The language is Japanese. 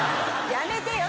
やめてよ！